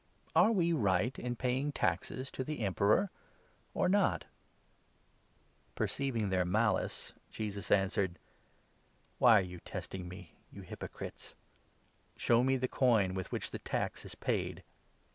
Are we right in paying taxes to the Emperor, or not ?" Perceiving their malice, Jesus answered : 18 "Why are you testing me, you hypocrites? Show me the 19 coin with which the tax is paid."